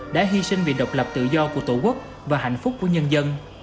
đã hy sinh vì độc lập tự do của tổ quốc và hạnh phúc của nhân dân